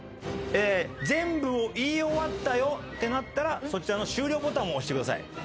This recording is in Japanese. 全部を言い終わったってなったらそちらの終了ボタンを押してください。